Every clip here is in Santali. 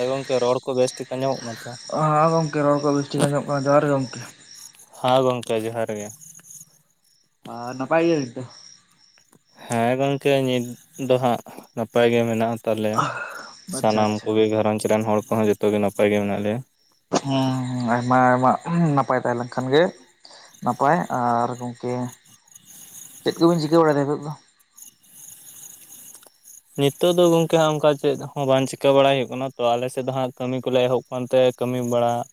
ᱦᱮᱸ ᱜᱚᱝᱠᱮ ᱨᱚᱲ ᱠᱚ ᱵᱮᱥ ᱴᱷᱤᱠ ᱟᱸᱡᱚᱢᱚᱜ ᱠᱟᱱᱟ ᱛᱚ᱾ ᱦᱚᱸ ᱜᱚᱝᱠᱮ ᱨᱚᱲ ᱠᱚ ᱵᱮᱥ ᱴᱷᱤᱠ ᱟᱸᱡᱚᱢᱚᱜ ᱠᱟᱱᱟ ᱡᱚᱦᱟᱨ ᱜᱮ ᱜᱚᱝᱠᱮ ᱦᱮᱸ ᱜᱚᱝᱠᱮ ᱡᱚᱦᱟᱨ ᱜᱮ᱾ ᱟᱨ ᱱᱟᱯᱟᱭ ᱜᱤᱭᱟᱹ ᱵᱤᱱ ᱛᱚ? ᱦᱮᱸ ᱜᱚᱝᱠᱮ ᱱᱤᱛ ᱫᱚ ᱦᱟᱸᱜ ᱱᱟᱯᱟᱭ ᱜᱮ ᱢᱮᱱᱟᱜ ᱛᱟᱞᱮᱭᱟ ᱟᱪᱪᱷᱟ ᱥᱟᱱᱟᱢ ᱟᱪᱪᱷᱟ ᱠᱚᱜᱮ ᱜᱷᱟᱨᱚᱸᱡᱽ ᱨᱮᱱ ᱦᱚᱲ ᱠᱚᱦᱚᱸ ᱡᱚᱛᱚᱜ ᱜᱮ ᱱᱟᱯᱟᱭ ᱜᱮ ᱢᱮᱱᱟᱜ ᱞᱮᱭᱟ᱾ ᱦᱚᱸ ᱦᱚᱸ ᱟᱭᱢᱟ ᱟᱭᱢᱟ ᱱᱟᱯᱟᱭ ᱛᱟᱦᱮᱸᱞᱮᱱ ᱠᱷᱟᱱ ᱜᱮ ᱱᱟᱯᱟᱭ ᱟᱨ ᱜᱚᱝᱠᱮ ᱪᱮᱫ ᱠᱚᱵᱤᱱ ᱪᱤᱠᱟᱹ ᱵᱟᱲᱟᱭ ᱫᱟ ᱱᱤᱛᱚᱜ ᱫᱚ? ᱱᱤᱛᱚᱜ ᱫᱚ ᱜᱚᱝᱠᱮ ᱦᱟᱸᱜ ᱚᱝᱠᱟ ᱪᱮᱫ ᱦᱚᱸ ᱵᱟᱝ ᱪᱤᱠᱟᱹ ᱵᱟᱲᱟᱭ ᱦᱩᱭᱩᱜ ᱠᱟᱱᱟ ᱛᱚ ᱟᱞᱮᱥᱮᱜ ᱫᱚ ᱦᱟᱸᱜ ᱠᱟᱹᱢᱤ ᱠᱚᱞᱮ ᱮᱦᱚᱵ ᱚᱱᱛᱮ ᱠᱟᱹᱢᱤ ᱵᱟᱲᱟᱜ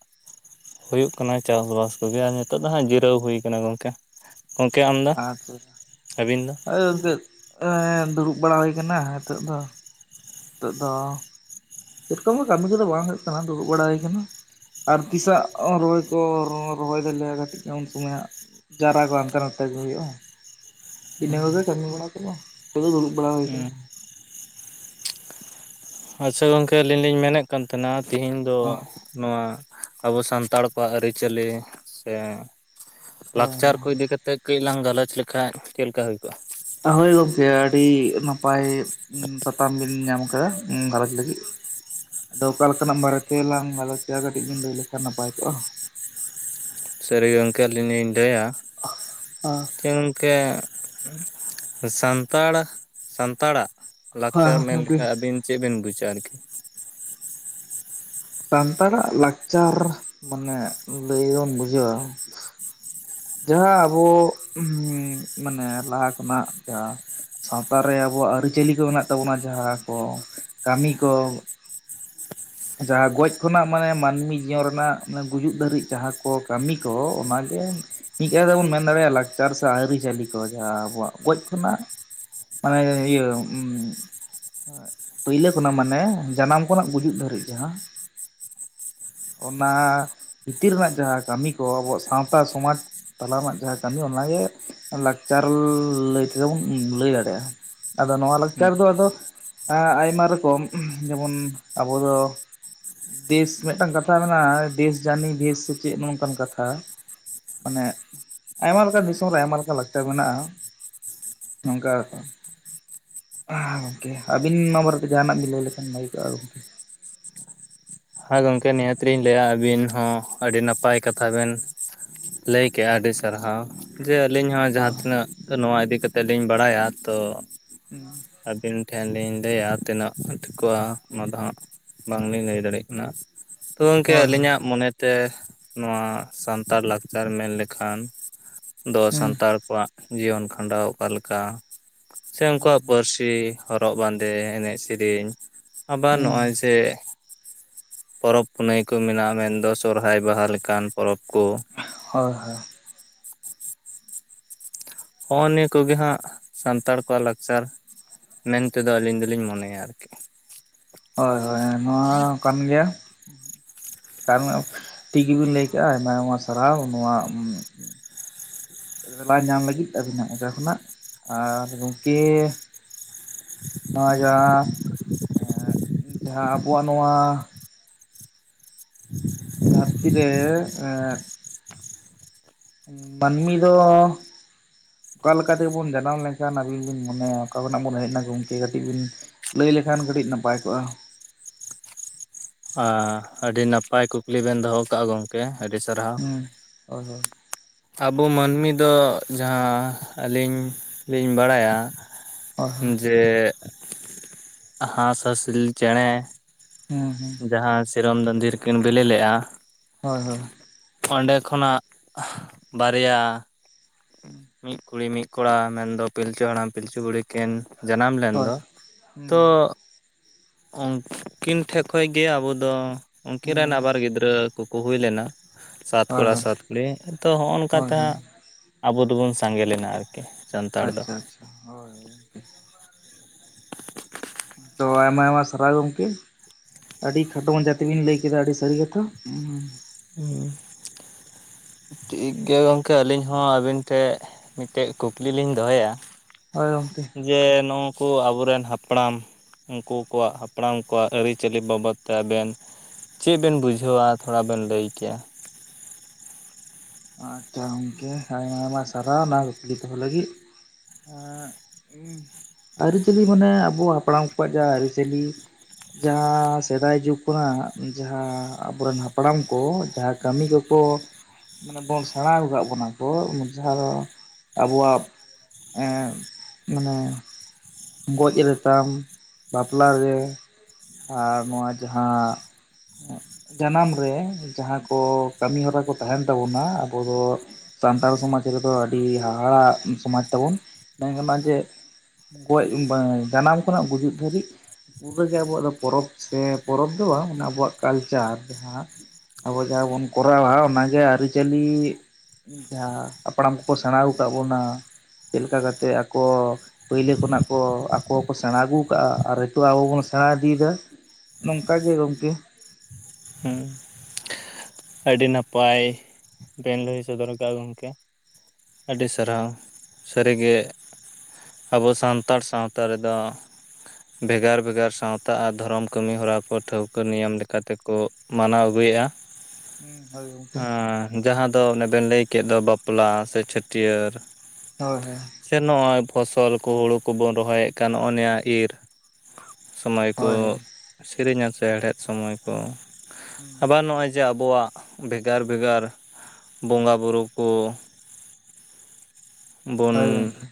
ᱦᱩᱭᱩᱜ ᱠᱟᱱᱟ ᱪᱟᱥᱵᱟᱥ ᱠᱚᱜᱮ ᱟᱨ ᱱᱤᱛᱚᱜ ᱫᱚ ᱦᱟᱸᱜ ᱡᱤᱨᱟᱹᱣ ᱦᱩᱭᱠᱟᱱᱟ ᱜᱚᱝᱠᱮ᱾ ᱜᱚᱝᱠᱮ ᱟᱢ ᱫᱚ ᱟᱹᱵᱤᱱ ᱫᱚ? ᱟᱞᱮ ᱥᱮᱫ ᱚ ᱦᱮᱸ ᱫᱩᱲᱩᱵ ᱵᱟᱲᱟ ᱦᱩᱭ ᱠᱟᱱᱟ ᱦᱮᱛᱚᱜ ᱫᱚ᱾ ᱱᱤᱛᱚᱜ ᱫᱚ ᱥᱮᱭ ᱨᱚᱠᱚᱢ ᱫᱚ ᱠᱟᱹᱢᱤ ᱠᱚᱫᱚ ᱵᱟᱝ ᱦᱩᱭᱩᱜ ᱠᱟᱱᱟ ᱫᱩᱲᱩᱵ ᱵᱟᱲᱟ ᱦᱩᱭᱠᱟᱱᱟ᱾ ᱟᱨ ᱛᱤᱥᱟᱜ ᱨᱚᱦᱚᱭ ᱠᱚ ᱨᱚᱸ ᱨᱚᱦᱚᱭ ᱫᱟᱞᱮᱭᱟ ᱠᱟᱹᱴᱤᱜ ᱩᱱ ᱥᱚᱢᱚᱭ ᱦᱟᱸᱜ ᱪᱟᱨᱟ ᱠᱚ ᱦᱟᱱᱛᱮ ᱱᱟᱛᱮ ᱠᱚ ᱦᱩᱭᱩᱜᱼᱟ᱾ ᱤᱱᱟᱹ ᱠᱚᱜᱮ ᱠᱟᱹᱢᱤ ᱵᱟᱲᱟ ᱠᱚᱫᱚ ᱠᱷᱟᱹᱞᱤ ᱫᱩᱲᱩᱵ ᱵᱟᱲᱟ ᱦᱩᱭ ᱠᱟᱱᱟ᱾ ᱦᱩᱸ ᱟᱪᱪᱷᱟ ᱜᱚᱝᱠᱮ ᱟᱹᱞᱤᱧ ᱞᱤᱧ ᱢᱮᱱᱮᱜ ᱠᱟᱱ ᱛᱟᱦᱮᱸᱱᱟ ᱛᱤᱦᱤᱧ ᱫᱚ ᱱᱚᱣᱟ, ᱟᱵᱚ ᱥᱟᱱᱛᱟᱲ ᱠᱚᱣᱟᱜ ᱟᱹᱨᱤᱪᱟᱹᱞᱤ ᱥᱮ ᱦᱳᱭ ᱞᱟᱠᱪᱟᱨ ᱦᱳᱭ᱾ ᱠᱚ ᱤᱫᱤ ᱠᱟ ᱛᱮᱜ ᱠᱟᱹᱡ ᱞᱟᱝ ᱜᱟᱞᱚᱪ ᱞᱮᱠᱷᱟᱭ ᱪᱮᱜ ᱞᱮᱠᱟ ᱦᱩᱭ ᱠᱚᱜᱼᱟ? ᱦᱳᱭ ᱜᱚᱝᱠᱮ ᱟᱹᱰᱤ ᱱᱟᱯᱟᱭ ᱥᱟᱛᱟᱢ ᱵᱤᱱ ᱧᱟᱢ ᱠᱟᱫᱟ ᱩᱸ ᱜᱷᱟᱨᱚᱸᱡᱽ ᱞᱟᱹᱜᱤᱫ᱾ ᱟᱫᱚ ᱚᱠᱟ ᱞᱮᱠᱟᱱᱟᱜ ᱵᱟᱨᱮ ᱛᱮ ᱞᱟᱝ ᱜᱟᱞᱚᱪ ᱠᱮᱭᱟ ᱠᱟᱹᱴᱤᱜ ᱵᱮᱱ ᱞᱟᱹᱭ ᱞᱮᱠᱷᱟᱱ ᱱᱟᱯᱟᱭ ᱠᱚᱜᱼᱟ ᱠᱚᱜᱼᱟ? ᱥᱟᱹᱨᱤ ᱜᱮ ᱜᱚᱝᱠᱮ ᱟᱹᱞᱤᱧ ᱞᱤᱧ ᱞᱟᱹᱭᱟ [unintelligible] ᱠᱮᱸᱜ ᱥᱟᱱᱛᱟᱲ ᱥᱟᱱᱛᱟᱲᱟᱜ ᱦᱮᱸ ᱞᱟᱠᱪᱟᱨ ᱢᱮᱱ ᱜᱚᱢᱠᱮ ᱞᱮᱠᱷᱟᱭ ᱟᱹᱵᱤᱱ ᱪᱮᱜ ᱵᱤᱱ ᱵᱩᱡᱟ ᱟᱨᱠᱤ? ᱥᱟᱱᱛᱟᱲᱟᱜ ᱞᱟᱠᱪᱟᱨ ᱢᱟᱱᱮ ᱞᱟᱹᱭᱵᱚᱱ ᱵᱩᱡᱷᱟᱹᱣᱟ ᱡᱟᱦᱟᱸ ᱟᱵᱚ ᱩᱸᱢ ᱢᱟᱱᱮ ᱞᱟᱦᱟ ᱠᱷᱚᱱᱟᱜ ᱡᱟᱦᱟᱸ ᱥᱟᱶᱛᱟᱨ ᱨᱮ ᱟᱵᱚᱣᱟᱜ ᱟᱹᱨᱤᱪᱟᱹᱞᱤ ᱠᱚ ᱢᱮᱱᱟᱜ ᱛᱟᱵᱚᱱᱟ ᱡᱟᱦᱟᱸ ᱠᱚ ᱠᱟᱹᱢᱤ ᱠᱚ, ᱡᱟᱦᱟᱸ ᱜᱚᱡ ᱠᱷᱚᱱᱟᱜ ᱢᱟᱱᱮ ᱢᱟᱹᱱᱢᱤ ᱡᱤᱭᱚᱱ ᱨᱮᱱᱟᱜ ᱚᱱᱮ ᱜᱩᱡᱩᱜ ᱫᱷᱟᱹᱨᱤᱜ ᱡᱟᱦᱟᱸ ᱠᱚ ᱠᱟᱹᱢᱤ ᱠᱚ ᱚᱱᱟᱜᱮ ᱪᱤᱠᱟᱹ ᱛᱮᱵᱚᱱ ᱢᱮᱱ ᱫᱟᱲᱮᱭᱟᱜᱼᱟ ᱞᱟᱠᱪᱟᱨ ᱥᱮ ᱟᱹᱨᱤᱪᱟᱹᱞᱤ ᱠᱚ ᱡᱟᱦᱟᱸ ᱟᱵᱚᱣᱟᱜ ᱜᱚᱭᱡ ᱠᱷᱚᱱᱟᱜ ᱢᱟᱱᱮ ᱤᱭᱟᱹ ᱩᱸ ᱯᱟᱹᱭᱞᱟᱹ ᱠᱷᱚᱱᱟᱜ ᱢᱟᱱᱮ ᱡᱟᱱᱟᱢ ᱠᱷᱚᱱᱟᱜ ᱜᱩᱡᱩᱜ ᱫᱷᱟᱹᱨᱤᱜ ᱡᱟᱸᱦᱟ ᱚᱱᱟ ᱵᱷᱤᱛᱤᱨ ᱨᱮᱱᱟᱜ ᱡᱟᱦᱟᱸ ᱠᱟᱹᱢᱤ ᱠᱚ ᱟᱵᱚᱣᱟᱜ ᱥᱟᱶᱛᱟ ᱥᱚᱟᱟᱡᱽ ᱛᱟᱞᱟ ᱨᱮᱱᱟᱜ ᱡᱟᱦᱟᱸ ᱠᱟᱹᱢᱤ ᱚᱱᱟᱜᱮ ᱞᱟᱠᱪᱟᱨ ᱞᱟᱹᱭ ᱛᱮᱫᱚ ᱵᱚᱱ ᱞᱟᱹᱭ ᱫᱟᱲᱮᱭᱟᱜᱼᱟ᱾ ᱟᱫᱚ ᱱᱚᱣᱟ ᱞᱟᱠᱪᱟᱨ ᱫᱚ ᱟᱫᱚ ᱟᱭᱢᱟ ᱨᱚᱠᱚᱢ ᱡᱮᱢᱚᱱ ᱟᱵᱚ ᱫᱚ ᱫᱮᱥ ᱢᱤᱜᱴᱟᱝ ᱠᱟᱛᱷᱟ ᱢᱮᱱᱟᱜᱼᱟ ᱫᱮᱥ ᱡᱟᱹᱱᱤᱜ ᱫᱮᱥ ᱥᱮ ᱪᱮᱜ ᱱᱚᱝᱠᱟᱱ ᱠᱟᱛᱷᱟ ᱢᱟᱱᱮ ᱟᱭᱢᱟ ᱞᱮᱠᱟᱱ ᱫᱤᱥᱚᱢ ᱨᱮ ᱟᱭᱢᱟ ᱞᱮᱠᱟᱱ ᱞᱟᱠᱪᱟᱨ ᱢᱮᱱᱟᱜᱼᱟ᱾ ᱱᱚᱝᱠᱟ ᱟᱠᱚ ᱜᱚᱝᱠᱮ ᱟᱹᱵᱤᱱ ᱱᱟᱣᱟᱵᱟᱨᱮ ᱛᱮ ᱡᱟᱦᱟᱸᱱᱟᱜ ᱵᱤᱱ ᱞᱟᱹᱭ ᱞᱮᱠᱷᱟᱱ ᱵᱷᱟ. ᱜᱤ ᱠᱚᱜᱼᱟ ᱜᱚᱝᱠᱮ? ᱦᱮᱸ ᱜᱚᱝᱠᱮ ᱱᱤᱦᱟᱹᱛ ᱞᱤᱧ ᱞᱟᱹᱭᱟ ᱟᱹᱵᱤᱱ ᱦᱚᱸ ᱟᱹᱰᱤ ᱱᱟᱯᱟᱭ ᱠᱟᱛᱷᱟ ᱵᱮᱱ ᱞᱟᱹᱭ ᱠᱮᱜᱼᱟ ᱟᱹᱰᱤ ᱥᱟᱨᱦᱟᱣ᱾ ᱡᱮ ᱟᱹᱞᱤᱧ ᱦᱚᱸ ᱡᱟᱦᱟᱸ ᱛᱤᱱᱟᱹᱜ ᱱᱚᱣᱟ ᱤᱫᱤ ᱠᱟᱛᱮᱜ ᱞᱤᱧ ᱵᱟᱲᱟᱭᱟ ᱛᱚ [inaudible] ᱟᱹᱵᱤᱱ ᱴᱷᱮᱱ ᱞᱤᱧ ᱞᱟᱹᱭᱟ ᱛᱤᱱᱟᱹᱜ ᱴᱷᱤᱠᱚᱜᱼᱟ ᱚᱱᱟ ᱫᱚ ᱦᱟᱸᱜ ᱵᱟᱝᱞᱤᱧ ᱞᱟᱹᱭ ᱫᱟᱲᱮᱭᱟᱜ ᱠᱟᱱᱟ᱾ ᱛᱚ ᱜᱚᱝᱠᱮ ᱦᱳᱭ ᱦᱳᱭ ᱟᱹᱞᱤᱧᱟᱜ ᱢᱚᱱᱮ ᱛᱮ ᱱᱚᱣᱟ ᱥᱟᱱᱛᱟᱲ ᱞᱟᱠᱪᱟᱨ ᱢᱮᱱ ᱞᱮᱠᱷᱟᱱ ᱫᱚ ᱦᱩᱸ ᱥᱟᱱᱛᱟᱲ ᱠᱚᱣᱟᱜ ᱡᱤᱭᱚᱱ ᱠᱷᱟᱸᱰᱟᱣ ᱚᱠᱟ ᱞᱮᱠᱟ ᱥᱮ ᱦᱩᱸ ᱩᱱᱠᱩᱣᱟᱜ ᱯᱟᱹᱨᱥᱤ ᱦᱚᱨᱚᱜ ᱵᱟᱸᱫᱮ ᱮᱱᱮᱡ ᱥᱮᱨᱮᱧ ᱟᱵᱟᱨ ᱦᱩᱸ ᱱᱚᱜᱼᱚᱭ ᱡᱮ ᱯᱚᱨᱚᱵᱽ ᱯᱩᱱᱟᱹᱭ ᱠᱚ ᱢᱮᱱᱟᱜᱼᱟ ᱢᱮᱱᱫᱚ ᱥᱚᱦᱨᱟᱭ ᱵᱟᱦᱟ ᱞᱮᱠᱟᱱ ᱯᱚᱨᱚᱵᱽ ᱠᱚ᱾ ᱦᱳᱭ ᱦᱳᱭ ᱾ ᱦᱚᱸᱜᱼᱚ ᱱᱤᱭᱟᱹ ᱠᱚᱜᱮ ᱦᱟᱸᱜ ᱥᱟᱱᱛᱟᱲ ᱠᱚᱣᱟᱜ ᱞᱟᱠᱪᱟᱨ᱾ ᱢᱮᱱᱛᱮᱫᱚ ᱟᱹᱞᱤᱧ ᱫᱚᱞᱤᱧ ᱢᱚᱱᱮᱭᱟ ᱟᱨᱠᱤ᱾ ᱦᱳᱭ ᱦᱳᱭ ᱦᱮᱸ ᱱᱚᱣᱟ ᱦᱚ ᱠᱟᱱ ᱜᱮᱭᱟ᱾ ᱠᱟᱨᱚᱱ ᱴᱷᱤᱠ ᱜᱮᱵᱤᱱ ᱞᱟᱹᱭ ᱠᱟᱫᱜᱼᱟ ᱟᱭᱢᱟ ᱟᱭᱢᱟ ᱥᱟᱨᱦᱟᱣ ᱱᱚᱣᱟ ᱞᱟ ᱧᱟᱢ ᱞᱟᱹᱜᱤᱫ ᱟᱹᱵᱤᱱᱟᱜ ᱚᱠᱟ ᱠᱷᱚᱱᱟᱜ ᱟᱨ ᱜᱚᱝᱠᱮ ᱱᱚᱜᱚᱭ ᱡᱟᱦᱟᱸ ᱡᱟᱦᱟᱸ ᱟᱵᱩᱣᱟᱜ ᱱᱚᱣᱟ ᱫᱷᱟᱨᱛᱤ ᱨᱮ ᱮᱫ ᱢᱟᱹᱱᱢᱤ ᱫᱚ ᱚᱠᱟ ᱞᱮᱠᱟ ᱛᱮᱵᱚᱱ ᱡᱟᱱᱟᱢ ᱞᱮᱱᱠᱷᱟᱱ ᱟᱵᱤᱱ ᱵᱤᱱ ᱢᱚᱱᱮᱭᱟ ᱚᱠᱟ ᱠᱷᱚᱱᱟᱜ ᱵᱚᱱ ᱦᱮᱡ ᱱᱟ ᱜᱚᱢᱠᱮ ᱠᱟᱹᱴᱤᱡ ᱵᱤᱱ ᱞᱟᱹᱭ ᱞᱮᱠᱷᱟᱱ ᱠᱟᱹᱴᱤᱡ ᱱᱟᱯᱟᱭ ᱠᱚᱜᱼᱟ? ᱦᱟ ᱟᱹᱰᱤ ᱱᱟᱯᱟᱭ ᱠᱩᱠᱞᱤ ᱵᱮᱱ ᱫᱚᱦᱚᱶ ᱠᱟᱜᱼᱟ ᱜᱚᱝᱠᱮ ᱜᱚᱝᱠᱮ ᱟᱹᱰᱤ ᱥᱟᱨᱦᱟᱣ᱾ ᱦᱩᱸ ᱦᱳᱭ ᱟᱵᱚ ᱢᱟᱹᱱᱢᱤ ᱫᱚ ᱡᱟᱦᱟᱸ ᱟᱹᱞᱤᱧ ᱞᱤᱧ ᱵᱟᱲᱟᱭᱟ᱾ ᱦᱳᱭ ᱦᱳᱭ ᱦᱳᱭ ᱡᱮ ᱦᱟᱸᱥ ᱦᱟᱸᱥᱞᱤ ᱪᱮᱻᱬᱮ ᱦᱩᱸ ᱡᱟᱦᱟ ᱦᱩᱸ ᱥᱤᱨᱚᱢ ᱫᱟᱸᱫᱷᱤᱨ ᱨᱮ ᱠᱤᱱ ᱵᱤᱞᱤ ᱞᱮᱫᱼᱟ ᱦᱳᱭ ᱦᱳᱭ᱾ ᱚᱱᱰᱮ ᱠᱷᱚᱱᱟᱜ ᱵᱟᱨᱭᱟ [unintelligible] ᱢᱤᱫ ᱠᱩᱲᱤ ᱢᱤᱫ ᱠᱚᱲᱟ ᱢᱮᱱᱫᱚ ᱯᱤᱞᱪᱩ ᱦᱟᱲᱟᱢ ᱯᱤᱞᱪᱩ ᱵᱩᱲᱦᱤ ᱠᱤᱱ ᱡᱟᱱᱟᱢ ᱞᱮᱱ ᱦᱳᱭ ᱫᱚ ᱦᱩᱸ ᱛᱚ ᱩᱱᱠᱤᱱ ᱴᱷᱮᱡ ᱠᱷᱚᱡ ᱜᱮ ᱟᱵᱚ ᱫᱚ ᱩᱱᱠᱤᱱ ᱦᱩᱸ ᱨᱮᱱ ᱟᱵᱟᱨ ᱜᱤᱫᱽᱨᱟᱹ ᱠᱚᱠᱚ ᱦᱩᱭ ᱞᱮᱱᱟ ᱥᱟᱛ ᱦᱳᱭ ᱠᱚᱲᱟ ᱦᱳᱭ ᱥᱟᱛ ᱠᱩᱲᱤ ᱛᱚ ᱦᱚᱜ ᱦᱳᱭ ᱚᱝᱠᱟᱛᱮ ᱦᱳᱭ ᱦᱟᱸᱜ ᱵᱚᱱ ᱥᱟᱸᱜᱮ ᱞᱮᱱᱟ ᱟᱨᱠᱤ᱾ ᱥᱟᱱᱛᱟᱲ ᱫᱚ ᱟᱪᱷᱟ ᱟᱪᱷᱟ ᱦᱳᱭ ᱦᱳᱭ ᱾ ᱛᱚ ᱟᱭᱢᱟ ᱟᱭᱢᱟ ᱥᱟᱨᱦᱟᱣ ᱜᱚᱝᱠᱮ᱾ ᱟᱹᱰᱤ ᱠᱷᱟᱴᱚ ᱢᱟᱪᱷᱟ ᱛᱮᱵᱤᱱ ᱞᱟᱹᱭ ᱠᱮᱫᱟ ᱟᱹᱰᱤ ᱥᱟᱹᱨᱤ ᱜᱮᱛᱚ ᱦᱸ ᱦᱩᱸ ᱾ ᱴᱤᱠ ᱜᱮᱭᱟ ᱜᱚᱱᱠᱮ ᱟᱹᱞᱤᱧ ᱦᱚᱸ ᱟᱹᱵᱤᱱ ᱴᱷᱮᱡ ᱢᱤᱫᱴᱮᱱ ᱠᱩᱠᱞᱤᱞᱤᱧ ᱫᱚᱦᱚᱭᱮᱟ᱾ ᱦᱳᱭ ᱜᱚᱝᱠᱮ᱾ ᱡᱮ ᱱᱩᱠᱩ ᱟᱵᱚᱨᱮᱱ ᱦᱟᱯᱲᱟᱢ ᱩᱱᱠᱩ ᱠᱚᱣᱟᱜ ᱦᱟᱯᱲᱟᱢ ᱠᱚᱣᱟᱜ ᱟᱹᱨᱤᱪᱟᱹᱞᱤ ᱵᱟᱵᱚᱫ ᱛᱮ ᱟᱵᱮᱱ- ᱪᱮᱫ ᱵᱮᱱ ᱵᱩᱡᱷᱟᱹᱣᱟ ᱛᱷᱚᱲᱟ ᱵᱮᱱ ᱞᱟᱹᱭ ᱠᱮᱭᱟ᱾ ᱟᱪᱷᱟ ᱜᱚᱝᱠᱮ ᱟᱭᱢᱟ ᱟᱭᱢᱟ ᱥᱟᱨᱦᱟᱣ ᱚᱱᱟ ᱠᱩᱠᱞᱤ ᱫᱚᱦᱚ ᱞᱟᱹᱜᱤᱫ᱾ ᱟᱹᱨᱤᱪᱟᱹᱞᱤ ᱢᱟᱱᱮ ᱟᱵᱚ ᱦᱟᱯᱲᱟᱢ ᱠᱚᱣᱟᱜ ᱡᱟᱦᱟ ᱟᱹᱨᱤᱪᱟᱹᱞᱤ ᱡᱟᱦᱟᱸ ᱥᱮᱫᱟᱭ ᱡᱩᱜᱽ ᱠᱷᱚᱱᱟᱜ ᱡᱟᱦᱟᱸ ᱟᱵᱚᱨᱮᱱ ᱦᱟᱯᱲᱟᱢ ᱠᱚ ᱡᱟᱦᱟᱸ ᱠᱟᱹᱢᱤ ᱠᱚᱠᱚ ᱢᱟᱱᱮ ᱵᱚᱱ ᱥᱮᱬᱟᱣ ᱟᱠᱟᱫ ᱵᱚᱱᱟ ᱠᱚ, ᱡᱟᱦᱟᱸ ᱫᱚ ᱟᱵᱚᱣᱟᱜ ᱮᱸ ᱢᱟᱱᱮ ᱜᱚᱡ ᱨᱮᱛᱟᱢ, ᱵᱟᱯᱞᱟ ᱨᱮ ᱟᱨ ᱱᱚᱣᱟ ᱡᱟᱦᱟᱸ ᱡᱟᱱᱟᱢ ᱨᱮ, ᱡᱟᱦᱟᱸ ᱠᱚ ᱠᱟᱹᱢᱤ ᱦᱚᱨᱟ ᱠᱚ ᱛᱟᱦᱮᱱ ᱛᱟᱵᱚᱱᱟ ᱟᱵᱚ ᱫᱚ ᱥᱟᱱᱛᱟᱲ ᱥᱚᱢᱟᱡᱽ ᱨᱮᱫᱚ ᱟᱹᱰᱤ ᱦᱟᱦᱟᱲᱟᱜ ᱥᱚᱢᱟᱡᱽ ᱛᱟᱵᱚᱱ, ᱢᱮᱱ ᱜᱟᱱᱚᱜᱼᱟ ᱡᱮ ᱜᱚᱡ ᱤ ᱵᱟᱝ ᱡᱟᱱᱟᱢ ᱠᱷᱚᱱᱟᱜ ᱜᱩᱡᱩᱜ ᱫᱷᱟᱵᱤᱡ ᱩᱱᱮ ᱟᱵᱚᱣᱟᱜ ᱫᱚ ᱯᱚᱨᱚᱵ ᱥᱮ ᱯᱚᱨᱚᱵ ᱫᱚ ᱵᱟᱝ ᱟᱵᱚᱣᱟᱜ ᱠᱟᱞᱪᱟᱨ ᱡᱟᱦᱟᱸ- ᱟᱵᱚ ᱡᱟᱦᱟᱸ ᱵᱚᱱ ᱠᱚᱨᱟᱣᱟ ᱚᱱᱟᱜᱮ ᱟᱹᱨᱤᱪᱟᱹᱞᱤ ᱡᱟᱦᱟᱸ ᱦᱟᱯᱲᱟᱢ ᱠᱚᱠᱚ ᱥᱮᱬᱟ ᱟᱠᱟᱫ ᱵᱚᱱᱟ᱾ ᱪᱮᱫ ᱞᱮᱠᱟ ᱠᱟᱛᱮᱜ ᱟᱠᱚ ᱯᱳᱭᱞᱟᱹ ᱠᱷᱚᱱᱟᱜ ᱠᱚ ᱟᱠᱚ ᱦᱚᱸᱠᱚ ᱥᱮᱬᱟ ᱟᱹᱜᱩ ᱟᱠᱟᱫᱟᱼᱟ, ᱟᱨ ᱱᱤᱛᱚᱜ ᱟᱵᱚ ᱵᱚᱱ ᱥᱮᱬᱟ ᱤᱫᱤᱭᱮᱫᱟ᱾ ᱱᱚᱝᱠᱟ ᱜᱮ ᱜᱚᱝᱠᱮ᱾ ᱦᱮᱸ᱾ ᱟᱹᱰᱤ ᱱᱟᱯᱟᱭ ᱵᱮᱱ ᱞᱟᱹᱭ ᱥᱚᱫᱚᱨ ᱠᱟᱜᱼᱟ ᱜᱚᱝᱠᱮ᱾ ᱟᱹᱰᱤ ᱥᱟᱨᱦᱟᱣ᱾ ᱥᱟᱹᱨᱤᱜᱮ ᱟᱵᱚ ᱥᱟᱱᱛᱟᱲ ᱥᱟᱶᱛᱟ ᱨᱮᱫᱚ ᱵᱮᱜᱟᱨ ᱵᱮᱜᱟᱨ ᱥᱟᱶᱛᱟ ᱟᱨ ᱫᱷᱚᱨᱚᱢ ᱠᱟᱹᱢᱤ ᱦᱚᱨᱟ ᱠᱚ ᱴᱷᱟᱹᱣᱠᱟᱹ ᱱᱤᱭᱚᱢ ᱞᱮᱠᱟᱛᱮᱠᱚ ᱢᱟᱱᱟᱣ ᱟᱹᱜᱩᱭᱮᱜᱼᱟ ᱾ ᱦᱩᱸ ᱦᱳᱭ ᱜᱚᱢᱠᱮ ᱟᱸ᱾ ᱡᱟᱦᱟᱸ ᱫᱚ ᱚᱱᱮ ᱵᱮᱱ ᱞᱟᱹᱭ ᱠᱮᱫ ᱫᱚ ᱵᱟᱯᱞᱟ ᱥᱮ ᱪᱷᱟᱹᱴᱭᱟᱹᱨ ᱦᱳᱭ ᱦᱳᱭ᱾ ᱥᱮ ᱱᱚᱜᱼᱚᱭ ᱯᱷᱚᱥᱚᱞ ᱠᱚ ᱦᱩᱲᱩ ᱠᱚᱵᱚᱱ ᱨᱚᱦᱚᱭᱮᱫ ᱠᱟᱱ ᱱᱚᱜᱼᱚ ᱱᱤᱭᱟᱹ ᱤᱨ ᱥᱚᱢᱚᱭ ᱦᱳᱭ ᱦᱳᱭ ᱠᱚ ᱥᱮᱨᱮᱧᱟ ᱥᱮ ᱦᱮᱲᱦᱮᱫ ᱥᱚᱢᱚᱭ ᱠᱚ, ᱦᱩᱸ ᱟᱵᱟᱨ ᱱᱚᱜᱼᱚᱭ ᱡᱮ ᱟᱵᱚᱣᱟᱜ ᱵᱷᱮᱜᱟᱨ ᱵᱷᱮᱜᱟᱨ ᱵᱚᱸᱜᱟ ᱵᱩᱨᱩ ᱠᱚ ᱵᱚᱱ, ᱦᱳᱭ ᱜᱚᱢᱠᱮ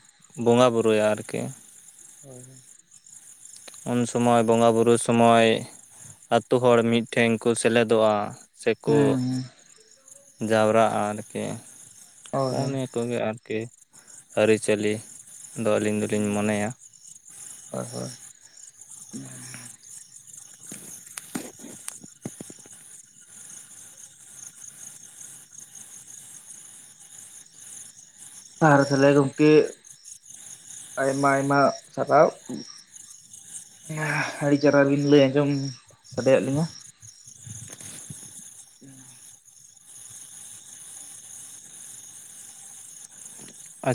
ᱵᱚᱸᱜᱟ ᱵᱩᱨᱩᱭᱟ ᱟᱨᱠᱤ᱾ [unintelligible] ᱩᱱ ᱥᱚᱢᱚᱭ ᱵᱚᱸᱜᱟ ᱵᱩᱨᱩ ᱥᱚᱢᱚᱭ ᱟᱛᱳ ᱦᱚᱲ ᱢᱤᱫᱴᱷᱮᱱ ᱠᱚ ᱥᱮᱞᱮᱫᱚᱜᱼᱟ᱾ ᱥᱮᱠᱚ ᱦᱩᱸ ᱡᱟᱣᱨᱟᱜᱼᱟ ᱟᱨ ᱠᱤ ᱦᱳᱭ ᱦᱚᱸᱜᱼ ᱦᱳᱭ ᱱᱤ ᱛᱚᱵᱮ ᱟᱨᱠᱤ ᱟᱹᱨᱤᱪᱟᱹᱞᱤ ᱫᱚ ᱟᱹᱞᱤᱧ ᱫᱚᱞᱤᱧ ᱢᱚᱱᱮᱭᱟ ᱟ ᱦᱚᱸ ᱾ ᱟᱨ ᱛᱟᱦᱞᱮ ᱜᱚᱝᱠᱮ ᱟᱭᱢᱟ ᱟᱭᱢᱟ ᱥᱟᱨᱟᱣ ᱾ ᱤᱧᱟ ᱟᱹᱰᱤ ᱪᱮᱨᱟ ᱵᱤᱱ ᱞᱟᱹᱭ ᱟᱸᱡᱚᱢ ᱥᱟᱰᱮᱭᱟᱜ ᱞᱤᱧᱟᱹ ᱾ [inaudible]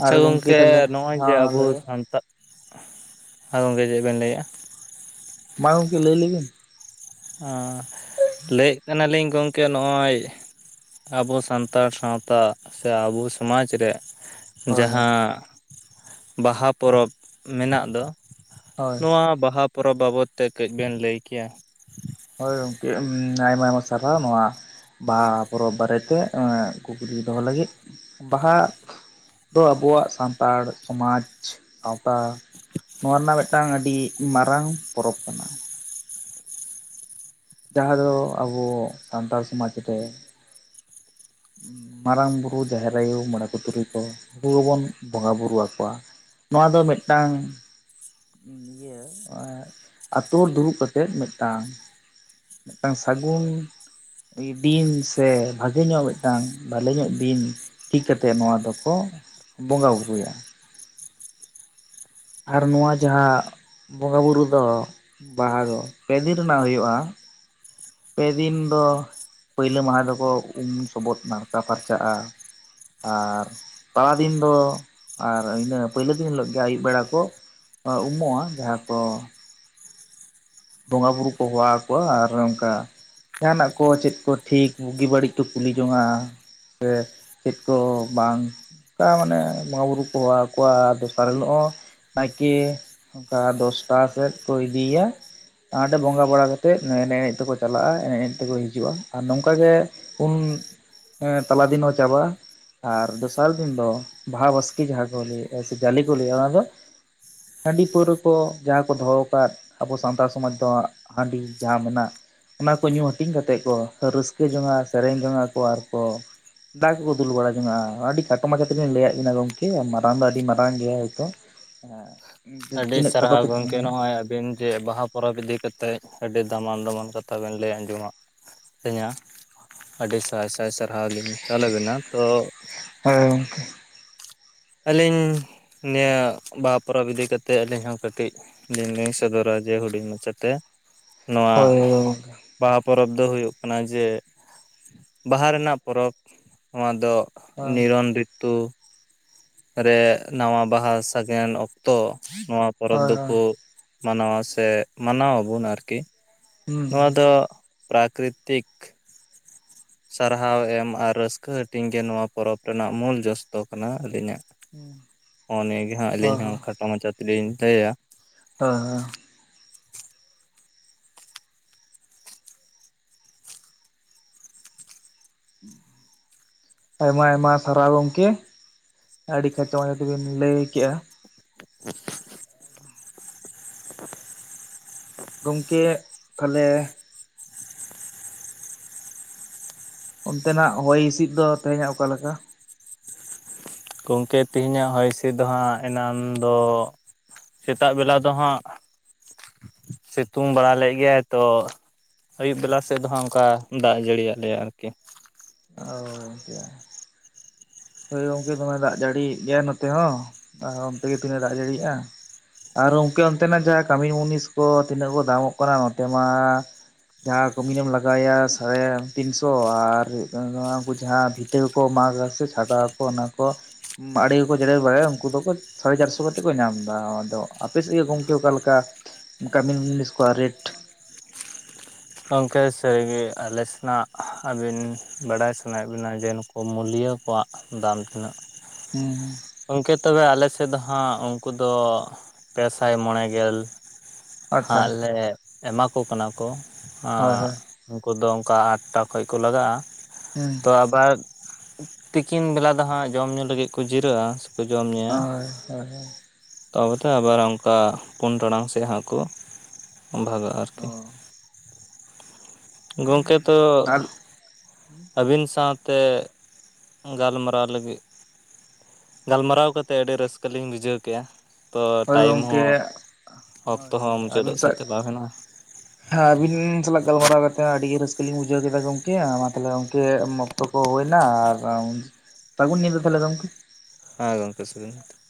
ᱟᱨ ᱜᱚᱢᱠᱮ ᱜᱚᱝᱠᱮ ᱛᱟᱦᱚᱞᱮ ᱱᱚᱜᱼᱚᱭ ᱡᱮ ᱦᱚᱸ ᱟᱵᱚ ᱞᱟᱹᱭ ᱵᱮᱱ ᱥᱟᱱᱛᱟ, ᱦᱳᱭ ᱜᱚᱝᱠᱮ ᱪᱮᱜ ᱵᱤᱱ ᱞᱟᱹᱭᱼᱟ? ᱢᱟ ᱜᱚᱢᱠᱮ ᱞᱟᱹᱭ ᱞᱮᱵᱮᱱ ᱾ ᱟᱸ ᱞᱟᱹᱭᱮᱜ ᱠᱟᱱᱟᱞᱤᱧ ᱜᱚᱝᱠᱮ ᱱᱚᱜᱼᱚᱭ ᱟᱵᱚ ᱥᱟᱱᱛᱟᱲ ᱥᱟᱶᱛᱟ ᱥᱮ ᱟᱵᱚ ᱥᱚᱢᱟᱡᱽ ᱨᱮ ᱦᱳᱭ ᱡᱟᱦᱟᱸ ᱵᱟᱦᱟ ᱯᱚᱨᱚᱵᱽ ᱢᱮᱱᱟᱜ ᱫᱚ ᱦᱳᱭ ᱱᱚᱣᱟ ᱵᱟᱦᱟ ᱯᱚᱨᱚᱵᱽ ᱵᱟᱵᱚᱛ ᱛᱮ ᱠᱟᱹᱡ ᱵᱮᱱ ᱞᱟᱹᱭ ᱠᱮᱭᱟ ᱾ ᱦᱳᱭ ᱜᱚᱝᱠᱮ ᱩᱢ ᱟᱭᱢᱟ ᱟᱭᱢᱟ ᱥᱟᱨᱦᱟᱣ ᱱᱚᱣᱟ ᱵᱟᱦᱟ ᱯᱚᱨᱚᱵᱽ ᱵᱟᱨᱮᱛᱮ ᱠᱩᱠᱞᱤ ᱫᱚᱦᱚ ᱞᱟᱹᱜᱤᱫ, ᱵᱟᱦᱟ ᱫᱚ ᱟᱵᱚᱣᱟᱜ ᱥᱟᱱᱛᱟᱲ ᱥᱚᱢᱟᱡᱽ ᱟᱣᱛᱟ ᱱᱟᱣᱟ ᱨᱮᱱᱟᱜ ᱢᱤᱫᱴᱟᱝ ᱟᱹᱰᱤ ᱢᱟᱨᱟᱝ ᱯᱚᱨᱚᱵᱽ ᱠᱟᱱᱟ ᱾ ᱡᱟᱦᱟᱸ ᱫᱚ ᱟᱵᱚ ᱥᱟᱱᱛᱟᱲ ᱥᱚᱢᱟᱡ ᱨᱮ ᱢᱟᱨᱟᱝ ᱵᱩᱨᱩ, ᱡᱟᱦᱮᱨ ᱟᱭᱳ, ᱢᱚᱬᱮ ᱠᱚ ᱛᱩᱨᱩᱭ ᱠᱚ ᱩᱱᱠᱩ ᱜᱮᱵᱚᱱ ᱵᱚᱸᱜᱟ ᱵᱩᱨᱩ ᱟᱠᱚᱣᱟ ᱾ ᱱᱚᱣᱟ ᱫᱚ ᱢᱤᱫᱴᱟᱝ ᱤᱭᱟᱹ ᱮᱸ ᱟᱛᱩ ᱫᱩᱲᱩᱵ ᱠᱟᱛᱮᱜ ᱢᱤᱫᱴᱟᱝ ᱢᱤᱫᱴᱟᱝ ᱥᱟᱹᱜᱩᱱ ᱫᱤᱱ ᱥᱮ ᱵᱷᱟᱜᱮ ᱧᱚᱜ ᱢᱤᱫᱴᱟᱝ ᱵᱷᱟᱞᱮ ᱧᱚᱜ ᱫᱤᱱ ᱴᱤᱠ ᱠᱟᱛᱮᱫ ᱱᱚᱣᱟ ᱫᱚᱠᱚ ᱵᱚᱸᱜᱟ ᱵᱩᱨᱩᱭᱟ ᱾ ᱟᱨ ᱱᱚᱣᱟ ᱡᱟᱦᱟᱸ ᱵᱚᱸᱜᱟ ᱵᱩᱨᱩ ᱫᱚ ᱵᱟᱦᱟ ᱫᱚ ᱯᱮ ᱫᱤᱱ ᱨᱮᱱᱟᱜ ᱦᱩᱭᱩᱜᱼᱟ ᱾ ᱯᱮᱫᱤᱱ ᱫᱚ ᱯᱩᱭᱞᱳ ᱢᱟᱦᱟ ᱫᱚᱠᱚ ᱩᱢ ᱥᱚᱵᱚᱫ ᱱᱟᱲᱠᱟ ᱯᱷᱟᱨᱪᱟᱜᱼᱟ᱾ ᱟᱨ ᱛᱟᱨᱟ ᱫᱤᱱ ᱫᱚ ᱟᱨ ᱤᱱᱟᱹ ᱯᱳᱭᱞᱳ ᱫᱤᱱ ᱦᱤᱞᱳᱜ ᱜᱮ ᱟᱹᱭᱩᱵ ᱵᱮᱲᱟ ᱠᱚ ᱚ ᱩᱢᱩᱜᱼᱟ ᱡᱟᱦᱟᱸ ᱠᱚ ᱵᱚᱸᱜᱟ ᱵᱩᱨᱩ ᱠᱚ ᱦᱚᱦᱚ ᱠᱚᱣᱟ ᱟᱨ ᱚᱱᱠᱟ ᱡᱟᱦᱱᱟᱜ ᱠᱚ ᱪᱮᱫ ᱠᱚ ᱴᱷᱤᱠ ᱵᱩᱜᱤ ᱵᱟᱹᱲᱤᱡ ᱠᱚ ᱠᱩᱞᱤ ᱡᱚᱝᱼᱟ ᱾ ᱥᱮ ᱪᱮᱫ ᱠᱚ ᱵᱟᱝ? ᱠᱟ ᱢᱟᱱᱮ ᱵᱚᱸᱜᱟ ᱵᱩᱨᱩ ᱠᱚ ᱦᱚᱦᱚᱣᱟ ᱟᱨ ᱫᱚᱥᱟᱨ ᱦᱤᱞᱳᱜ ᱦᱚᱸ ᱱᱟᱭᱠᱮ ᱦᱚᱝᱠᱟ ᱫᱚᱥᱴᱟ ᱥᱮᱫ ᱠᱚ ᱤᱫᱤᱭᱮᱭᱟ ᱾ ᱟᱸᱰᱮ ᱵᱚᱸᱜᱟ ᱵᱟᱲᱟ ᱠᱟᱛᱮᱜ ᱮᱱᱮᱭ ᱮᱱᱮᱭ ᱛᱮᱠᱚ ᱪᱟᱞᱟᱜᱼᱟ ᱮᱱᱮᱡ ᱮᱱᱮᱡ ᱛᱮᱠᱚ ᱦᱤᱡᱩᱜᱼᱟ ᱟᱨ ᱱᱚᱝᱠᱟ ᱜᱮ ᱩᱢ ᱮᱸ ᱛᱟᱞᱟ ᱫᱤᱱ ᱦᱚᱸ ᱪᱟᱵᱟᱜᱼᱟ ᱟᱨ ᱫᱚᱥᱟᱨ ᱫᱤᱱ ᱫᱚ ᱵᱟᱦᱟ ᱵᱟᱥᱠᱮ ᱡᱟᱦᱟᱸ ᱠᱚ ᱞᱟᱹᱭᱼᱟ ᱡᱮ ᱡᱟᱞᱮ ᱠᱚ ᱞᱟᱹᱭᱟ ᱚᱱᱟ ᱫᱚ᱾ ᱦᱟᱺᱰᱤ ᱯᱟᱹᱣᱨᱟᱹ ᱠᱚ ᱡᱟᱦᱟᱸ ᱠᱚ ᱫᱚᱦᱚ ᱠᱟᱫ ᱟᱵᱚ ᱥᱟᱱᱛᱟᱲ ᱥᱚᱢᱟᱡᱽ ᱫᱚ ᱦᱟᱸᱜ ᱦᱟᱺᱰᱤ ᱡᱟᱦᱟᱸ ᱢᱮᱱᱟᱜ ᱚᱱᱟ ᱠᱚ ᱧᱩ ᱦᱟᱹᱴᱤᱧ ᱠᱟᱛᱮᱫ ᱠᱚ ᱨᱟᱹᱥᱠᱟᱹ ᱡᱚᱝᱼᱟ ᱥᱮᱨᱮᱧ ᱡᱚᱝ ᱟᱠᱚ ᱟᱨ ᱠᱚ ᱫᱟᱜ ᱠᱚᱠᱚ ᱫᱩᱞ ᱵᱟᱲᱟ ᱡᱚᱜᱚᱜᱼᱟ ᱟᱹᱰᱤ ᱠᱷᱟᱴᱚ ᱢᱟᱪᱷᱟ ᱛᱮᱜᱮ ᱞᱤᱧ ᱞᱟᱹᱭᱟᱜ ᱵᱤᱱᱟ ᱜᱚᱝᱠᱮ ᱢᱟᱨᱟᱝ ᱫᱚ ᱟᱹᱰᱤ ᱢᱟᱨᱟᱝ ᱜᱮᱭᱟ ᱦᱚᱭᱛᱚ ᱾ ᱦᱮᱸ ᱾ ᱟᱹᱰᱤ ᱥᱟᱨᱦᱟᱣ ᱜᱚᱝᱠᱮ ᱱᱚᱜᱼᱚᱭ ᱟᱹᱵᱤᱱ ᱾ ᱡᱮ ᱵᱟᱦᱟ ᱯᱚᱨᱚᱵᱽ ᱤᱫᱤ ᱠᱟᱛᱮᱫ ᱟᱹᱰᱤ ᱫᱟᱢᱟᱱ ᱫᱟᱢᱟᱱ ᱠᱟᱛᱷᱟ ᱵᱮᱱ ᱞᱟᱹᱭ ᱟᱸᱡᱚᱢᱟᱜ ᱞᱤᱧᱟ ᱾ ᱟᱹᱰᱤ ᱥᱟᱭ ᱥᱟᱭ ᱥᱟᱨᱦᱟᱣ ᱞᱤᱧ ᱪᱟᱞ ᱵᱤᱱᱟ ᱛᱚ ᱦᱮᱸ ᱾ ᱟᱹᱞᱤᱧ ᱱᱤᱭᱟᱹ ᱵᱟᱦᱟ ᱯᱚᱨᱚᱵᱽ ᱤᱫᱤ ᱠᱟᱛᱮᱫ ᱟᱹᱞᱤᱧ ᱦᱚᱸ ᱠᱟᱹᱴᱤᱡ ᱞᱤᱧ ᱞᱤᱧ ᱥᱚᱫᱚᱨᱟ ᱡᱮ ᱦᱩᱰᱤᱧ ᱢᱟᱪᱷᱟᱛᱮ ᱱᱚᱣᱟ ᱦᱳᱭ ᱜᱚᱝᱠᱮ ᱵᱟᱦᱟ ᱯᱚᱨᱚᱵᱽ ᱫᱚ ᱦᱩᱭᱩᱜ ᱠᱟᱱᱟ ᱡᱮ ᱵᱟᱦᱟ ᱨᱮᱱᱟᱜ ᱯᱚᱨᱚᱵᱽ ᱱᱚᱣᱟ ᱫᱚ ᱱᱤᱨᱚᱱ ᱨᱤᱛᱩ ᱨᱮ ᱱᱟᱣᱟ ᱵᱟᱦᱟ ᱥᱟᱜᱮᱱ ᱚᱠᱛᱚ ᱱᱚᱣᱟ ᱦᱳᱭ ᱯᱚᱨᱚᱵᱽ ᱦᱳᱭ ᱦᱳᱭ ᱫᱚᱠᱚ ᱢᱟᱱᱟᱣᱟ ᱥᱮ ᱢᱟᱱᱟᱣ ᱟᱵᱚᱱ ᱟᱨᱠᱤ ᱦᱩᱸ ᱱᱚᱣᱟ ᱫᱚ ᱯᱨᱟᱠᱨᱤᱛᱤᱠ ᱥᱟᱨᱦᱟᱣ ᱮᱢ ᱟᱨ ᱨᱟᱹᱥᱠᱟᱹ ᱦᱟᱹᱴᱤᱧ ᱜᱮ ᱱᱚᱣᱟ ᱯᱚᱨᱚᱵᱽ ᱨᱮᱱᱟᱜ ᱢᱩᱞ ᱡᱚᱥ ᱫᱚ ᱠᱟᱱᱟ ᱟᱹᱞᱤᱧᱟᱜ᱾ ᱦᱩᱸ ᱦᱚᱸ ᱱᱤᱭᱟᱹ ᱜᱮ ᱦᱟᱸᱜ ᱦᱳᱭ ᱟᱹᱞᱤᱧ ᱦᱚᱸ ᱦᱳᱭ ᱠᱷᱟᱴᱚ ᱢᱟᱪᱷᱟ ᱛᱤᱞᱤᱧ ᱞᱟᱹᱭᱼᱟ᱾ [unintelligible] [unintelligible] ᱟᱭᱢᱟ ᱟᱭᱢᱟ ᱥᱟᱨᱦᱟᱣ ᱜᱚᱝᱠᱮ ᱟᱹᱰᱤ ᱠᱷᱟᱴᱚ ᱢᱟᱪᱷᱟ ᱛᱮᱵᱤᱱ ᱞᱟᱹᱭ ᱠᱮᱜᱼᱟ᱾ [unintelligible] ᱜᱚᱝᱠᱮ ᱛᱟᱦᱞᱮ, ᱚᱱᱛᱮᱱᱟᱜ ᱦᱚᱭ ᱦᱸᱤᱥᱤᱫ ᱫᱚ ᱛᱮᱦᱮᱧᱟᱜ ᱚᱠᱟ ᱞᱮᱠᱟ? ᱜᱚᱝᱠᱮ ᱛᱤᱦᱤᱧᱟᱜ ᱦᱚᱭ ᱦᱤᱸᱥᱤᱫ ᱫᱚ ᱦᱟᱸᱜ ᱮᱱᱟᱱ ᱫᱚ, ᱥᱮᱛᱟᱜ ᱵᱮᱞᱟ ᱫᱚ ᱦᱟᱸᱜ ᱥᱤᱛᱩᱝ ᱵᱟᱲᱟ ᱞᱮᱫ ᱜᱮᱭᱟᱭ ᱛᱚ᱾ ᱟᱹᱭᱩᱵ ᱵᱮᱞᱟ ᱥᱮᱫ ᱫᱚ ᱦᱟᱸᱜ ᱚᱱᱠᱟ ᱫᱟᱜ ᱡᱟᱹᱲᱤᱭᱟᱜ ᱞᱮᱭᱟ ᱟᱨᱠᱤ᱾ ᱟᱸᱣ ᱜᱚᱝᱠᱮ ᱦᱳᱭ ᱜᱚᱝᱠᱮ ᱫᱚᱢᱮᱭ ᱫᱟᱜ ᱡᱟᱹᱲᱤ ᱮᱫ ᱜᱮᱭᱟ ᱱᱚᱛᱮ ᱦᱚᱸ ᱟᱨ ᱚᱱᱛᱮ ᱜᱮ ᱛᱤᱱᱟᱹᱜ ᱫᱟᱜ ᱡᱟᱹᱲᱤ ᱮᱫᱟ? ᱟᱨ ᱜᱚᱝᱠᱮ ᱚᱱᱛᱮᱱᱟᱜ ᱡᱟᱦᱟᱸ ᱠᱟᱹᱢᱤ ᱢᱩᱱᱤᱥ ᱠᱚ ᱛᱤᱱᱟᱹᱜ ᱠᱚ ᱫᱟᱢᱚᱜ ᱠᱟᱱᱟ ᱱᱚᱛᱮ ᱢᱟ ᱡᱟᱦᱟᱸ ᱠᱟᱹᱢᱤ ᱨᱮᱢ ᱞᱟᱜᱟᱣ ᱮᱭᱟ ᱥᱟᱲᱮ ᱛᱤᱱᱥᱚ ᱟᱨ ᱦᱩᱭᱩᱜ ᱠᱟᱱᱟ ᱩᱱᱠᱩ ᱡᱟᱦᱟᱸ ᱛᱮᱦᱚᱸ ᱠᱚ ᱢᱟᱜᱟ ᱥᱮ ᱪᱷᱟᱰᱟ ᱟᱠᱚ ᱚᱱᱟ ᱠᱚ ᱟᱲᱮ ᱠᱚ ᱠᱚ ᱡᱮᱨᱮᱲ ᱵᱟᱲᱟᱭᱟ ᱩᱱᱠᱩ ᱫᱚᱠᱚ ᱥᱟᱲᱮ ᱪᱟᱨᱥᱚ ᱠᱟᱛᱮᱫ ᱠᱚ ᱧᱟᱢ ᱮᱫᱟ ᱟᱫᱚ ᱟᱯᱮ ᱥᱮᱫ ᱜᱮ ᱜᱚᱝᱠᱮ ᱚᱠᱟ ᱞᱮᱠᱟ? ᱠᱟᱹᱢᱤᱱ ᱢᱩᱱᱤᱥ ᱠᱚᱣᱟᱜ ᱨᱮᱴ ᱾ ᱜᱚᱝᱠᱮ ᱥᱟᱹᱨᱤ ᱜᱮ ᱟᱞᱮ ᱥᱮᱱᱟᱜ ᱟᱹᱵᱤᱱ ᱵᱟᱰᱟᱭ ᱥᱟᱱᱟᱭᱮᱫ ᱵᱤᱱᱟ ᱡᱮ ᱢᱩᱞᱤᱭᱟᱹ ᱠᱚᱣᱟᱜ ᱫᱟᱢ ᱛᱤᱱᱟᱹᱜ, ᱦᱩᱸ ᱦᱩᱸ ᱜᱚᱝᱠᱮ? ᱛᱚᱵᱮ ᱟᱞᱮ ᱥᱮᱫ ᱫᱚ ᱦᱟᱸᱜ ᱩᱱᱠᱩ ᱫᱚ ᱯᱮ ᱥᱟᱭ ᱢᱚᱬᱮ ᱜᱮᱞ ᱟᱪᱪᱷᱟ ᱦᱟᱸᱜ ᱟᱪᱪᱷᱟ ᱞᱮ ᱮᱢᱟ ᱠᱚ ᱠᱟᱱᱟ ᱠᱚ ᱦᱳᱭ ᱦᱟᱸ᱾ ᱦᱳᱭ ᱩᱱᱠᱩ ᱫᱚ ᱚᱱᱠᱟ ᱟᱴᱴᱟ ᱠᱷᱚᱡ ᱠᱚ ᱞᱟᱜᱟᱜᱼᱟ? ᱦᱮᱸ ᱾ ᱛᱚ ᱟᱵᱟᱨ ᱛᱤᱠᱤᱱ ᱵᱮᱞᱟ ᱫᱚ ᱦᱟᱸᱜ ᱡᱚᱢ ᱧᱩ ᱞᱟᱹᱜᱤᱫ ᱠᱚ ᱡᱤᱨᱟᱹᱜᱼᱟ ᱾ ᱠᱚ ᱡᱚᱢ ᱧᱩᱭᱟ ᱾ ᱦᱳᱭ ᱦᱳᱭ ᱦᱳᱭ ᱾ ᱛᱚᱵᱮ ᱛᱚ ᱟᱵᱟᱨ ᱚᱱᱠᱟ ᱯᱩᱱ ᱴᱟᱲᱟᱝ ᱥᱮᱫ ᱦᱟᱸᱜ ᱠᱚ ᱵᱷᱟᱜᱟᱜᱼᱟ ᱚ ᱟᱨᱠᱤ ᱾ ᱜᱚᱝᱠᱮ ᱛᱚ ᱟᱨ ᱟᱹᱵᱤᱱ ᱥᱟᱶᱛᱮ ᱜᱟᱞᱢᱟᱨᱟᱣ ᱞᱟᱹᱜᱤᱫ ᱜᱟᱞᱢᱟᱨᱟᱣ ᱠᱟᱛᱮ ᱟᱹᱰᱤ ᱨᱟᱹᱥᱠᱟᱹ ᱞᱤᱧ ᱵᱩᱡᱷᱟᱹᱣ ᱠᱮᱜᱼᱟ ᱾ ᱛᱚ ᱦᱳᱭ ᱴᱟᱭᱤᱢ ᱜᱚᱢᱠᱮ ᱦᱚᱸ ᱦᱳᱭ ᱚᱠᱛᱚ ᱦᱳᱭ ᱦᱚᱸ ᱢᱩᱪᱟᱹᱫᱚᱜ ᱥᱮᱡ ᱪᱟᱞᱟᱣ ᱮᱱᱟ ᱾ ᱦᱟᱸ ᱟᱹᱵᱤᱱ ᱥᱟᱞᱟᱜ ᱜᱟᱞᱢᱟᱨᱟᱣ ᱠᱟᱛᱮ ᱟᱹᱰᱤ ᱜᱮ ᱨᱟᱹᱥᱠᱟᱹ ᱞᱤᱧ ᱵᱩᱡᱷᱟᱹᱣ ᱠᱮᱫᱟ ᱜᱚᱝᱠᱮ ᱢᱟ ᱛᱟᱦᱞᱮ ᱜᱚᱝᱠᱮ ᱚᱠᱛᱚ ᱦᱩᱭᱱᱟ ᱟᱨ ᱥᱟᱹᱜᱩᱱ ᱧᱤᱫᱟᱹ ᱛᱟᱦᱚᱞᱮ ᱜᱚᱝᱠᱮ ᱾ ᱦᱮᱸ ᱜᱚᱝᱠᱮ ᱥᱟᱹᱜᱩᱱ ᱧᱤᱫᱟᱹ ᱾